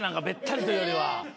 べったりというよりは。